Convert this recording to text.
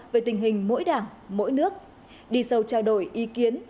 về tình hình mỗi đảng mỗi nước đi sâu trao đổi ý kiến